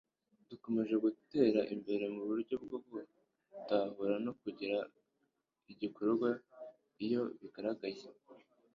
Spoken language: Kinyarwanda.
dukomeje gutera imbere mu buryo bwo gutahura no kugira igikorwa iyo bigaragaye.